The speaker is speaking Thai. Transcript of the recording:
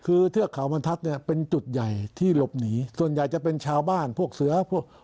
คือเทือกเขาบรรทัศน์เนี่ยเป็นจุดใหญ่ที่หลบหนีส่วนใหญ่จะเป็นชาวบ้านพวกเสือพวก